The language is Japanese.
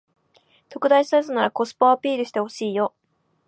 特大サイズならコスパをアピールしてほしいよ